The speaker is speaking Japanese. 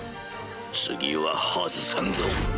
次は外さんぞ。